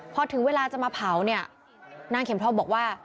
เพราะถึงเวลาจะมาเผานางเข็มทอบบอกว่า